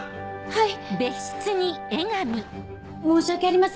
はい！